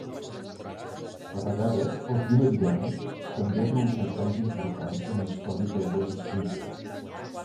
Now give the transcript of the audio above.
A vegades el clima d'hivern també ha provocat danys importants en la història de West Springfield.